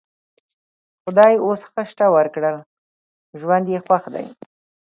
خدای اوس ښه شته ورکړ؛ ژوند یې خوښ دی.